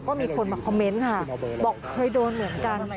ก็มีคนมาคอมเมนต์ค่ะบอกเคยโดนเหมือนกัน